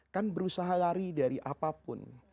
kan berusaha lari dari apapun